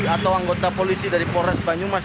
atau anggota polisi dari polres banyumas